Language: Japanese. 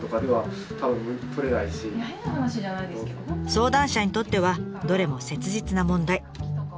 相談者にとってはどれも切実な問題。